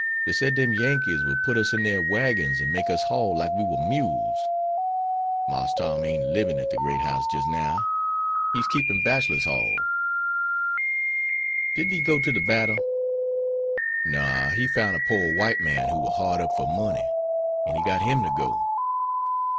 Dey said dem Yankees would put us in dere wagons and make us haul like we war mules. Marse Tom ain't libin' at de great house jis' now. He's keepin' bachellar's hall." "Didn't he go to the battle?" "No; he foun' a pore white man who war hard up for money, an' he got him to go."